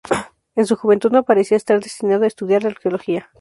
En su juventud no parecía estar destinado a estudiar arqueología.